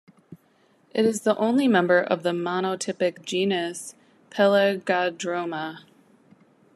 It is the only member of the monotypic genus Pelagodroma.